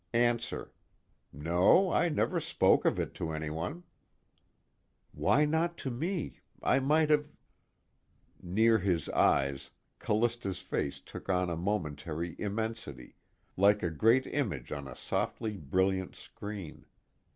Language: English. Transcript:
ANSWER: No, I never spoke of it to anyone. Why not to me? I might have Near his eyes, Callista's face took on a momentary immensity, like a great image on a softly brilliant screen.